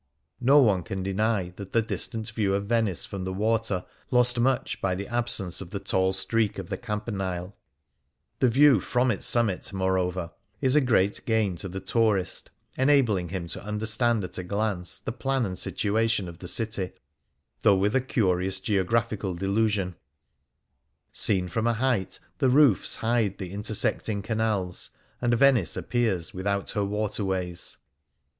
No one can deny that the distant view of Venice from the water lost much by the absence of the tall streak of the Campanile. The view from its summit, moreover, is a great gain to the tourist, enabling him to understand at a glance the plan and situa tion of the city, though with a curious geo graphical delusion : seen from a height the roofs hide the intersecting canals, and Venice appears without her waterways.